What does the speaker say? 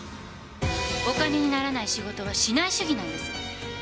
お金にならない仕事はしない主義なんです。